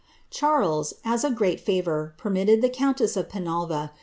Charles, as a great favour, permitted the countess of Fenalva.